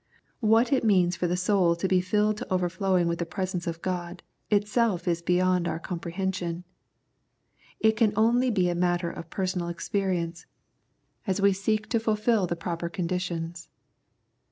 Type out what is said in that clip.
What it means for the soul to be filled to overflowing with the presence of God itself is beyond our comprehension ; it can only be a matter of personal experience as we seek to fulfil the 122 Strength and Indwelling proper conditions.